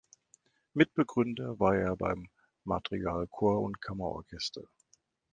Mitbegründer war er beim Madrigalchor und Kammerorchester.